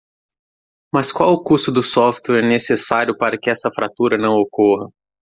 Mas qual o custo do software necessário para que essa fratura não ocorra?